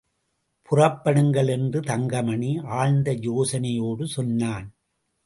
புறப்படுங்கள் என்று தங்கமணி, ஆழ்ந்த யோசனையோடு சொன்னான்.